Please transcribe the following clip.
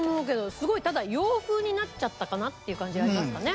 すごいただ洋風になっちゃったかなっていう感じありますかね。